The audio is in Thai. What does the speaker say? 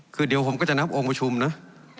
คือเดี๋ยวผมก็จะนับองค์ประชุมนะ